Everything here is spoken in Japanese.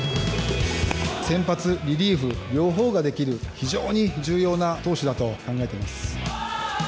先発、リリーフ両方ができる非常に重要な投手だと考えています。